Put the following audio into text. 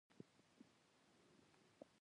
د رڼا خوند تیاره لمنځه وړي.